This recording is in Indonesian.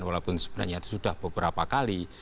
walaupun sebenarnya sudah beberapa kali